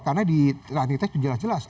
karena di running text itu jelas jelas